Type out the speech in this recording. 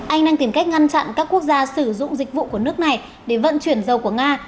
anh đang tìm cách ngăn chặn các quốc gia sử dụng dịch vụ của nước này để vận chuyển dầu của nga